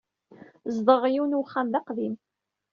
Zedɣeɣ yiwen wexxam d aqdim.